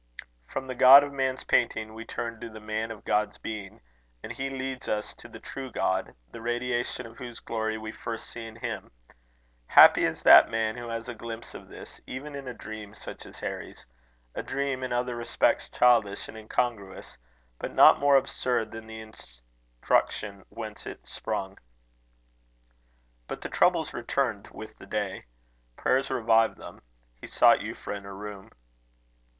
From the God of man's painting, we turn to the man of God's being, and he leads us to the true God, the radiation of whose glory we first see in him. Happy is that man who has a glimpse of this, even in a dream such as Harry's! a dream in other respects childish and incongruous, but not more absurd than the instruction whence it sprung. But the troubles returned with the day. Prayers revived them. He sought Euphra in her room.